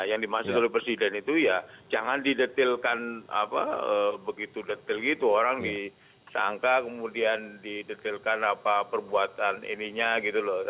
yang dimaksud oleh presiden itu ya jangan didetilkan begitu detail gitu orang disangka kemudian didetilkan apa perbuatan ininya gitu loh